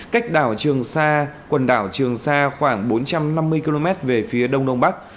cách đảo trường sa khoảng bốn trăm năm mươi km về phía đông đông bắc